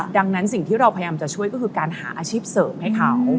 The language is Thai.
ดังนั้นสิ่งที่เราพยายามจะช่วยก็คือการหาอาชีพเสริมให้เขา